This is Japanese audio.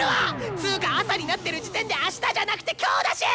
つーか朝になってる時点であしたじゃなくて今日だし！